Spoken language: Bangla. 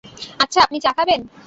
আচ্ছা, আপনি চা খাবেন?